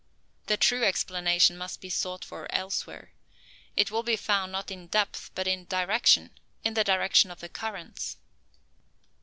The true explanation must be sought for elsewhere. It will be found not in depth, but in direction, in the direction of the currents.